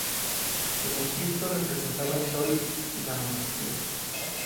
En Egipto, representaba el Sol y la Monarquía.